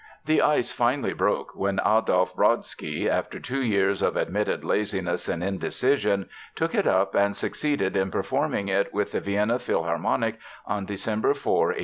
The ice finally broke when Adolf Brodsky, after two years of admitted laziness and indecision, took it up and succeeded in performing it with the Vienna Philharmonic on December 4, 1881.